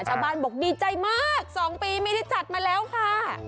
ชาวบ้านบอกดีใจมาก๒ปีไม่ได้จัดมาแล้วค่ะ